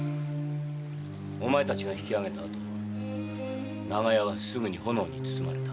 お前達が引きあげた後長屋はすぐに炎に包まれた。